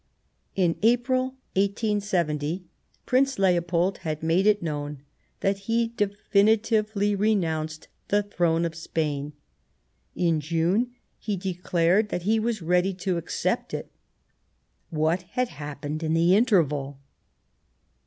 In April 1870, Prince Leopold had made it known that he definitively renounced the throne of Spain ; in June he declared that he was ready to accept it. What had happened in the interval